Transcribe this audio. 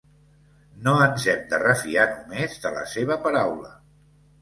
No ens hem de refiar, només, de la seva paraula.